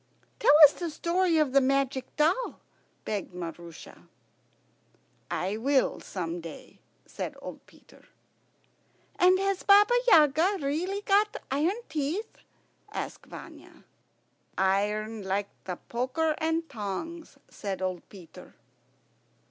"Tell us the story of the Magic Doll," begged Maroosia. "I will some day," said old Peter. "And has Baba Yaga really got iron teeth?" asked Vanya. "Iron, like the poker and tongs," said old Peter.